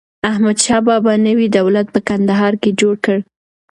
احمدشاه بابا نوی دولت په کندهار کي جوړ کړ.